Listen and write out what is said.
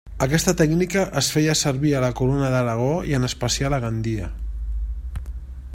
Aquesta tècnica es feia servir a la Corona d'Aragó i en especial a Gandia.